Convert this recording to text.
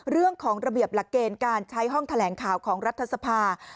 เรื่องของระเบียบหลักเกณฑ์การใช้ห้องแถลงข่าวของรัฐสภา